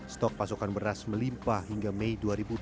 stok pasokan beras melimpah hingga mei dua ribu dua puluh